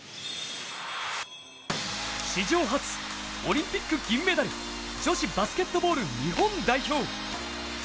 史上初、オリンピック銀メダル女子バスケットボール日本代表。